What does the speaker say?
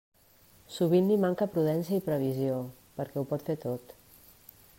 Sovint li manca prudència i previsió, perquè ho pot fer tot.